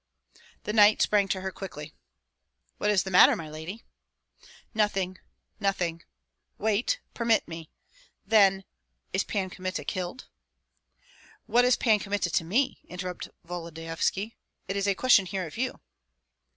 The knight sprang to her quickly: "What is the matter, my lady?" "Nothing, nothing wait, permit me. Then is Pan Kmita killed?" "What is Pan Kmita to me?" interrupted Volodyovski; "it is a question here of you."